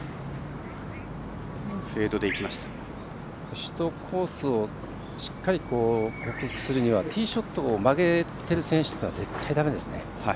１コースをしっかり克服するにはティーショットを曲げてる選手というのは絶対だめですね。